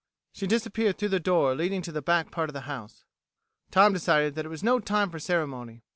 She disappeared through the door leading to the back part of the house. Tom decided that it was no time for ceremony.